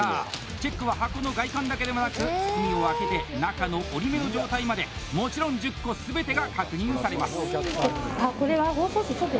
チェックは箱の外観だけではなく包みを開けて中の折り目の状態までもちろん１０個全てが確認されます。